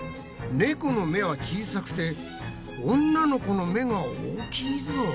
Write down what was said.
猫の目は小さくて女の子の目が大きいぞ！